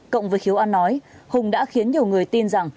cộng với khiếu an nói hùng đã khiến nhiều người tin rằng